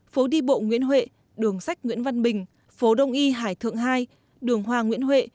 phố đi bộ nguyễn huệ đường sách nguyễn văn bình phố đông y hải thượng hai đường hoa nguyễn huệ